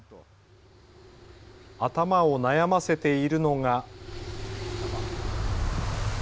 頭を悩ませているのが。